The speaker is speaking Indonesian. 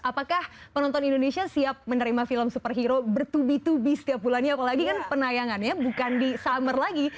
apakah penonton indonesia siap menerima film superhero bertubi tubi setiap bulannya apalagi kan penayangannya bukan di summer lagi